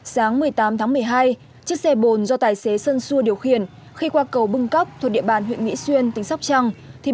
sáng một mươi tám tháng một mươi hai chiếc xe bồn do tài xế sơn xua điều khiển khi qua cầu bưng cóc thuộc địa bàn huyện mỹ xuyên tỉnh sóc trăng thì bị